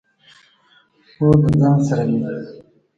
او د ځان سره مې